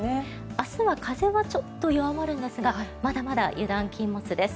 明日は風はちょっと弱まるんですがまだまだ油断禁物です。